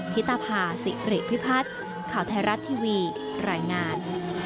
ธิตภาษิริพิพัฒน์ข่าวไทยรัฐทีวีรายงาน